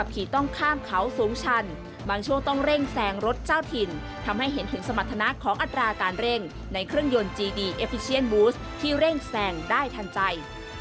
ที่เร่งแสงได้ทันใจ